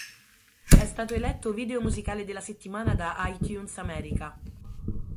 È stato eletto "Video musicale della settimana" da iTunes America.